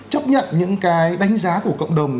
chấp nhận những cái đánh giá của cộng đồng